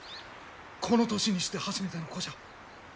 この年にして初めての子じゃ。